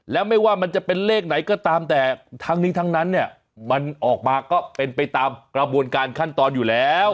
แล้วไม่ว่ามันจะเป็นเลขไหนก็ตามแต่ทั้งนี้ทั้งนั้นเนี่ยมันออกมาก็เป็นไปตามกระบวนการขั้นตอนอยู่แล้ว